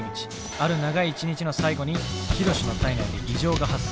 ある長い一日の最後にヒロシの体内で異常が発生。